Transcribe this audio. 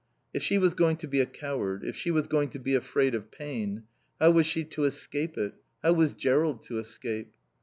If she was going to be a coward, if she was going to be afraid of pain How was she to escape it, how was Jerrold to escape?